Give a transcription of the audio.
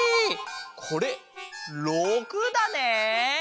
これ６だね。